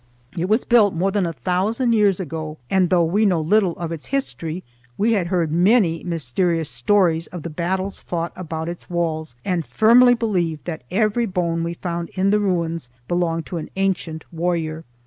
It was built more than a thousand years ago, and though we knew little of its history, we had heard many mysterious stories of the battles fought about its walls, and firmly believed that every bone we found in the ruins belonged to an ancient warrior.